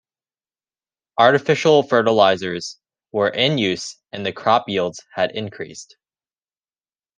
Artificial fertilizers were in use and the crop yields had increased.